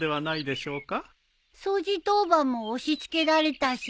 掃除当番も押し付けられたし。